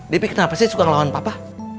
depi kenapa sih suka ngelawan papa